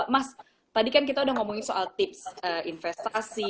mas tadi kan kita udah ngomongin soal tips investasi